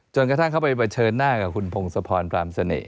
กระทั่งเขาไปเผชิญหน้ากับคุณพงศพรพรามเสน่ห